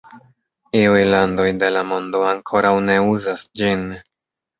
Iuj landoj de la mondo ankoraŭ ne uzas ĝin.